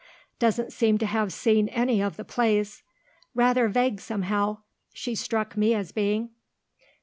Doesn't seem to have seen any of the plays. Rather vague, somehow, she struck me as being."